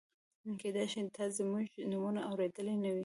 کېدای شي تا زموږ نومونه اورېدلي نه وي.